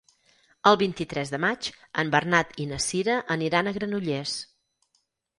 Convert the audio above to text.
El vint-i-tres de maig en Bernat i na Cira aniran a Granollers.